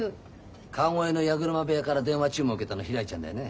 川越の矢車部屋から電話注文受けたのひらりちゃんだよね？